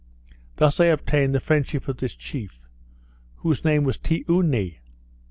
Thus I obtained the friendship of this chief, whose name was Tioony.